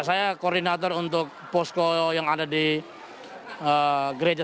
saya koordinator untuk posko yang ada di gereja